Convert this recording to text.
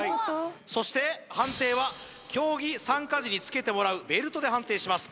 そして判定は競技参加時につけてもらうベルトで判定します